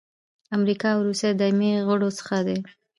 امریکا او روسیه د دایمي غړو څخه دي.